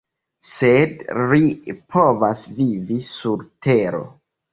Sed ri povas vivi sur tero.